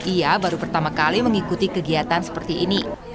ia baru pertama kali mengikuti kegiatan seperti ini